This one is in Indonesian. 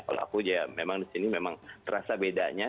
kalau aku ya memang di sini memang terasa bedanya